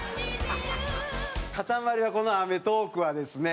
かたまりはこの『アメトーーク』はですね